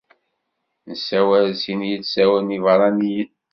Nessawal sin yilsawen ibeṛṛaniyen.